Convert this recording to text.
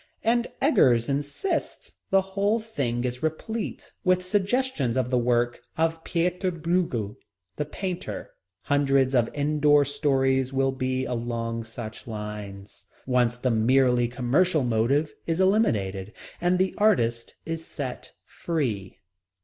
And Eggers insists the whole film is replete with suggestions of the work of Pieter Breughel, the painter. Hundreds of indoor stories will be along such lines, once the merely commercial motive is eliminated, and the artist is set free.